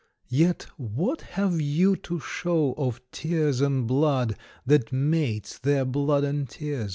Yet what have you to show of tears and blood, That mates their blood and tears?